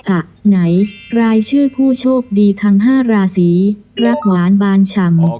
อ่ะไหนรายชื่อผู้โชคดีทั้ง๕ราศีรักหวานบานฉ่ำ